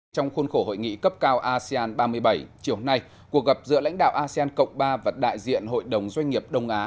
trong khuôn khổ hội nghị cấp cao asean ba mươi bảy chiều nay cuộc gặp giữa lãnh đạo asean cộng ba và đại diện hội đồng doanh nghiệp đông á